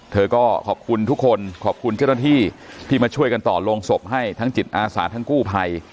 เธอก็ขอบคุณทุกคนขอบคุณเจ้าหน้าที่ที่มาช่วยกันต่อลงศพให้ทั้งจิตอาสาทั้งกู้ภัย